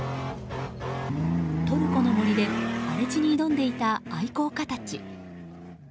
トルコの森で荒れ地に挑んでいた愛好家たち。